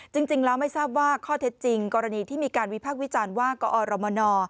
จริงแล้วไม่ทราบว่าข้อเท็จจริงกรณีที่มีการวิพากษ์วิจารณ์ว่ากอรมน